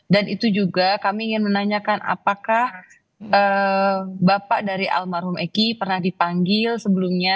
dan itu juga kami ingin menanyakan apakah bapak dari almarhum eki pernah dipanggil sebelumnya